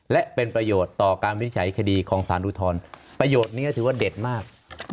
และเป็นประโยชน์ต่อการวินิจฉัยคดีของสารอุทธรณ์ประโยชน์นี้ถือว่าเด็ดมาก